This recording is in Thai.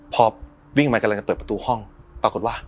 พอวิ่งมากำลังจะเปิดประตูห้องปรากฏว่า